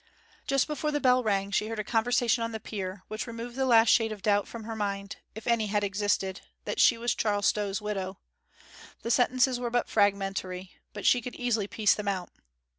Just before the bell rang she heard a conversation on the pier, which removed the last shade of doubt from her mind, if any had existed, that she was Charles Stow's widow. The sentences were but fragmentary, but she could easily piece them out.